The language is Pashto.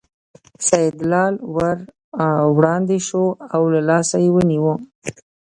سیدلال ور وړاندې شو او له لاسه یې ونیو.